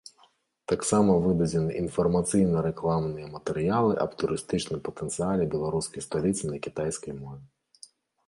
Таксама выдадзены інфармацыйна-рэкламныя матэрыялы аб турыстычным патэнцыяле беларускай сталіцы на кітайскай мове.